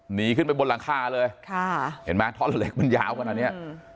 หนีขึ้นไปบนหลังคาเลยค่ะเห็นไหมท่อนเหล็กมันยาวขนาดเนี้ย